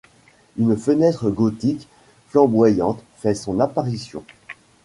Une fenêtre gothique flamboyante fait son apparition.